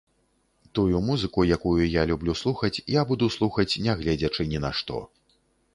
Тую музыку, якую я люблю слухаць, я буду слухаць нягледзячы ні на што.